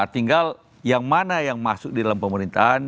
tinggal yang mana yang masuk di dalam pemerintahan